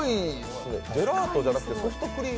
ジェラートじゃなくてソフトクリーム？